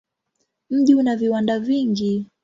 Mji una viwanda vingi.